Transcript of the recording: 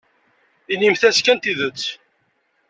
Inimt-as kan tidet.